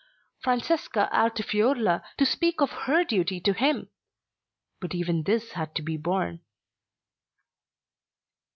Francesca Altifiorla to speak of her duty to him! But even this had to be borne.